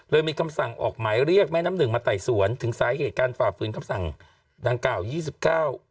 มีคำสั่งออกหมายเรียกแม่น้ำหนึ่งมาไต่สวนถึงสาเหตุการฝ่าฝืนคำสั่งดังกล่าวยี่สิบเก้า